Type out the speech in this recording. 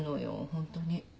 ホントに。